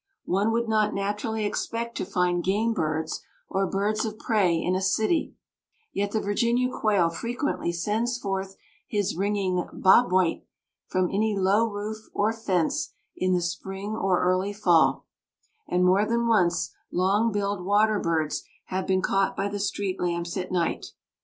One would not naturally expect to find game birds or birds of prey in a city, yet the Virginia quail frequently sends forth his ringing "bob white!" from any low roof or fence in the spring or early fall; and more than once long billed water birds have been caught by the street lamps at night.